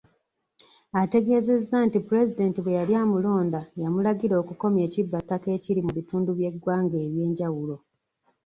Ategeezezza nti Pulezidenti bwe yali amulonda yamulagira okukomya ekibbattaka ekiri mu bitundu by'eggwanga eby'enjawulo.